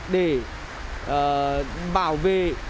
để bảo vệ